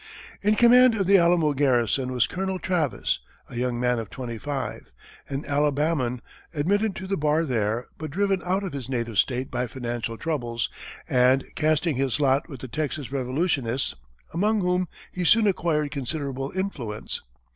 In command of The Alamo garrison was Colonel Travis, a young man of twenty five; an Alabaman, admitted to the bar there, but driven out of his native state by financial troubles, and casting in his lot with the Texas revolutionists, among whom he soon acquired considerable influence.